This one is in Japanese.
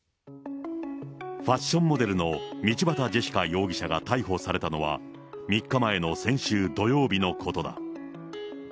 ファッションモデルの道端ジェシカ容疑者が逮捕されたのは、３日前の先週土曜日のことだ。